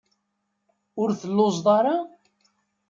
Ur telluẓeḍ ara?